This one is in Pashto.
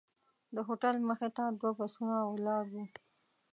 د هوټل مخې ته دوه بسونه ولاړ وو.